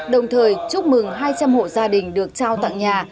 đồng thời chúc mừng hai trăm linh hộ gia đình được trao tặng nhà